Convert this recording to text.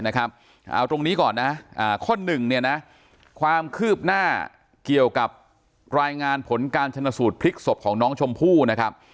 เอาตรงนี้ก่อนนะข้อหนึ่งเนี่ยนะความคืบหน้าเกี่ยวกับรายงานผลการชนสูตรพลิกศพของน้องชมพู่นะครับ